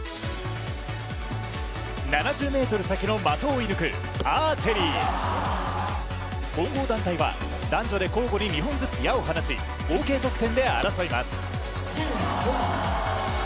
７０ｍ先の的を射ぬくアーチェリー混合団体は男女で交互に２本ずつ矢を放ち合計得点で争います。